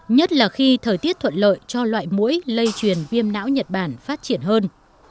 nhất là khi thời tiết thuận lợi cho loại mũi lây truyền viêm não nhật bản phát triển hơn